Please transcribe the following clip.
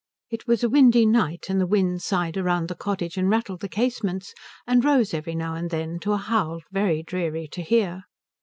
It was a windy night, and the wind sighed round the cottage and rattled the casements and rose every now and then to a howl very dreary to hear.